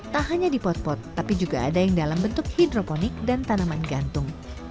tak hanya di pot pot tapi juga ada yang dalam bentuk hidroponik dan tanaman gantung